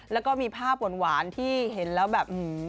แล้วก็มีภาพหวานที่เห็นแล้วแบบ